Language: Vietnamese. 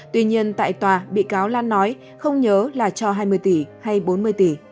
tuy nhiên tại tòa bị cáo lan nói không nhớ là cho hai mươi tỷ hay bốn mươi tỷ